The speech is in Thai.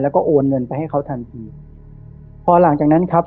แล้วก็โอนเงินไปให้เขาทันทีพอหลังจากนั้นครับ